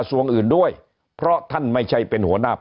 หนี้ครัวเรือนก็คือชาวบ้านเราเป็นหนี้มากกว่าทุกยุคที่ผ่านมาครับ